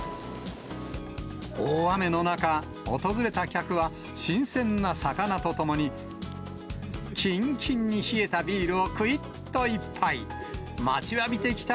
大雨の中、訪れた客は、新鮮な魚とともに、きんきんに冷えたビールをくいっといっぱい。